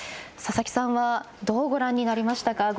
佐々木さんはどうご覧になりましたか？